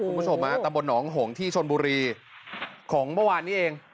คุณผู้ชมฮะตำบลหนองหงที่ชนบุรีของเมื่อวานนี้เอง